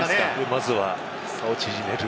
まずは差を縮める。